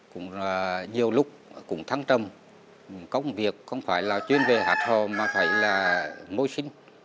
cũng nhiều lúc cũng thăng trầm công việc không phải là chuyên về hạt hò mà phải là môi sinh